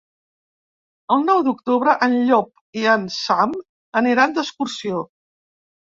El nou d'octubre en Llop i en Sam aniran d'excursió.